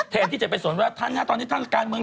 แทนที่จะไปสนว่าท่านฮะตอนนี้ท่านการเมือง